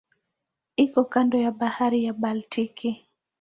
Iko kando ya Bahari ya Baltiki.